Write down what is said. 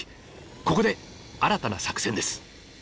ここで新たな作戦です。